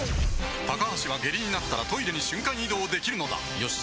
高橋は下痢になったらトイレに瞬間移動できるのだよし。